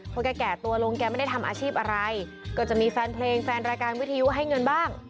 พอแกแก่ตัวลงแกไม่ได้ทำอาชีพอะไรก็จะมีแฟนเพลงแฟนรายการวิทยุให้เงินบ้าง